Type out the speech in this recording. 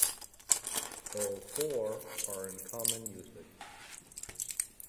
All four are in common usage.